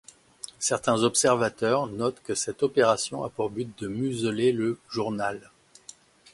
Certains observateurs notent que cette opération a pour but de museler le journal.